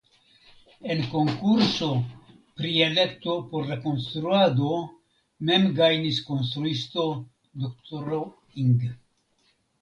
En konkurso pri elekto por la konstruado mem gajnis konstruisto Dr. Ing.